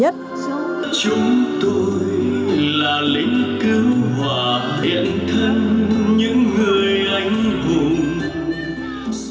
chúng tôi là lính cứu hỏa hiện thân những người anh buồn